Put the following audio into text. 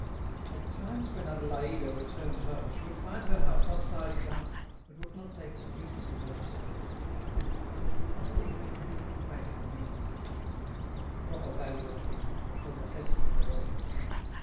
At times when Adélaïde returned home she would find her house upside down, but would not take the least notice of it. She was utterly ignorant of the practical meaning of life, of the proper value of things and the necessity for order.